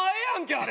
あれ。